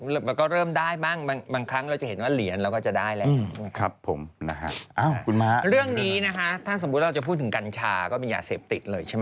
เราก็เริ่มได้บ้างมาบางครั้งบางครั้งเราจะเห็นว่าเหรียญ